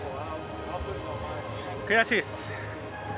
悔しいです。